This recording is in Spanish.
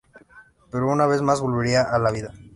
Pero una vez más, volvería a la vida.